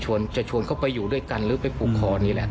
จะชวนเขาไปอยู่ด้วยกันหรือไปผูกคอนี่แหละ